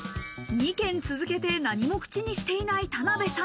２軒続けて何も口にしていない田辺さん。